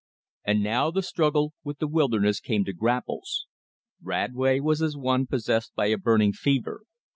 And now the struggle with the wilderness came to grapples. Radway was as one possessed by a burning fever.